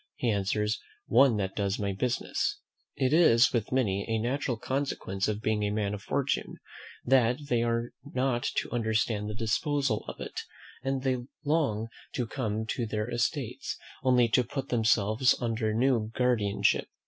he answers, "one that does my business." It is, with many, a natural consequence of being a man of fortune, that they are not to understand the disposal of it; and they long to come to their estates, only to put themselves under new guardianship.